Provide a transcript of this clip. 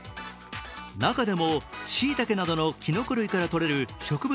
中でもしいたけなどのきのこ類からとれる植物